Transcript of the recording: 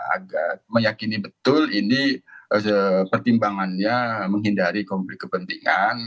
agar meyakini betul ini pertimbangannya menghindari konflik kepentingan